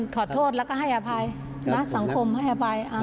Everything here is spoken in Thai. ขอโทษแล้วก็ให้อภัยนะสังคมให้อภัย